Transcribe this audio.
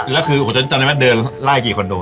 แล้วคือจำได้มั้ยเดินลายกี่คอนโด